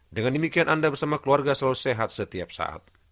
dengan demikian anda bersama keluarga selalu sehat setiap saat